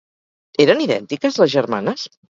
Eren idèntiques les germanes?